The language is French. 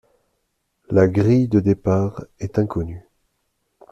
La grille de départ est inconnue.